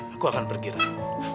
aku akan pergi ray